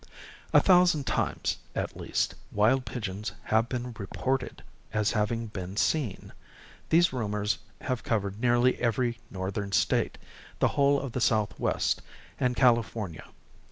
A thousand times, at least, wild pigeons have been "reported" as having been "seen." These rumors have covered nearly every northern state, the whole of the southwest, and California.